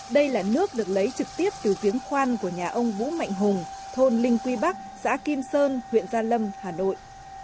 đây là nước được lấy trực tiếp từ tiếng khoan của nhà ông vũ mạnh hùng thôn linh quy bắc xã kim sơn huyện gia lâm hà nội